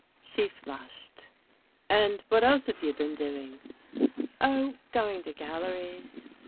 She flushed. "And what else have you been doing?" "Oh, going to galleries.